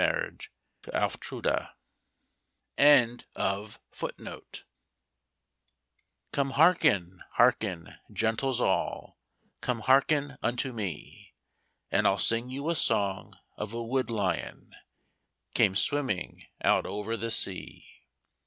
MARTIN LIGHTFOOT'S SONG Come hearken, hearken, gentles all, Come hearken unto me, And I'll sing you a song of a Wood Lyon Came swimming out over the sea.